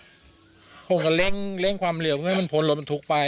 อืมผมก็เล็งเล็งความเหลือเพื่อให้มันพนรถมันถูกไปอ่ะ